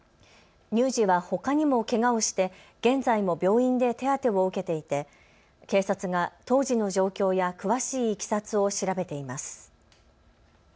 乳児はほかにもけがをして現在も病院で手当てを受けていて警察が当時の状況や詳しいいきさつを調べています。